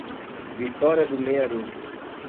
Vitória do Mearim